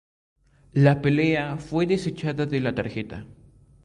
La pelea fue desechada de la tarjeta.